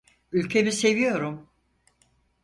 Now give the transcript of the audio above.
Ülkemi seviyorum.